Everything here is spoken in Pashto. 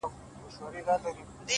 د وخت ناخوالي كاږم ـ